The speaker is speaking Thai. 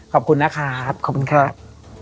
ขอบคุณนะครับ